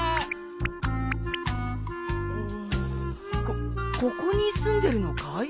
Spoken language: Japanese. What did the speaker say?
こっここにすんでるのかい？